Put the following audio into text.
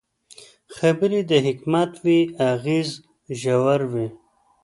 خبرې که د حکمت وي، اغېز ژور وي